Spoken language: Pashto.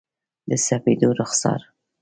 د سپېدو رخسار،